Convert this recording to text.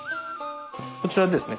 こちらですね